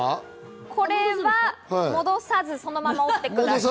これは戻さず、そのまま折ってください。